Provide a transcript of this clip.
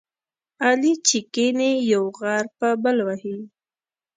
علي چې کېني، یو غر په بل وهي.